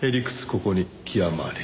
ここに極まれり。